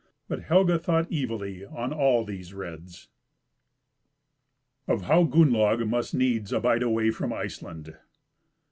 But Helga thought evilly of all these redes. CHAPTER XI. Of how Gunnlaug must needs abide away from Iceland.